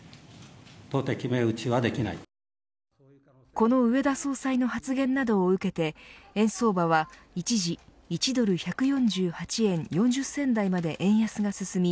この植田総裁の発言などを受けて円相場は一時１ドル１４８円４０銭台まで円安が進み